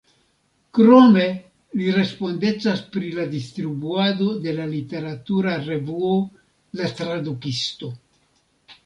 Krome li respondecas pri la distribuado de la literatura revuo La Tradukisto.